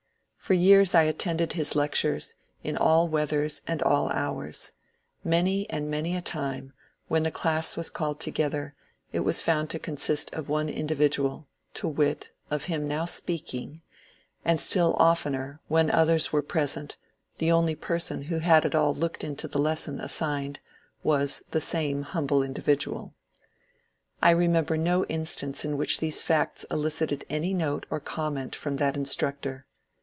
For years I attended his lectures, in all weathers and all hours. Many and many a time, when the class was called to gether, it was found to consist of one individual — to wit, of him now speaking ; and still oftener, when others were pre sent, the only person who had at all looked into the lesson assigned was the same humble individual. I remember no 100 MONCURE DANIEL CONWAY instance in which these facts elicited any note or comment from that instructor.